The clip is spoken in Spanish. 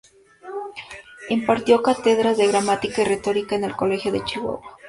Impartió cátedras de gramática y retórica en el colegio de Chihuahua.